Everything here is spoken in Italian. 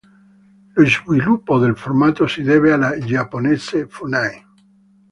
Lo sviluppo del formato si deve alla giapponese Funai.